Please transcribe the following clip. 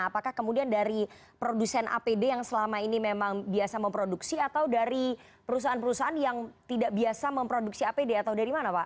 apakah kemudian dari produsen apd yang selama ini memang biasa memproduksi atau dari perusahaan perusahaan yang tidak biasa memproduksi apd atau dari mana pak